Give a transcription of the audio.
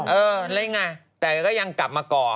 เออแล้วยังไงแต่ก็ยังกลับมาก่อ